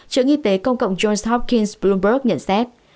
trưởng y tế công cộng johns hopkins bloomberg nhận xét